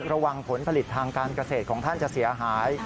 ระวังผลผลิตทางการเกษตรของท่านจะเสียหาย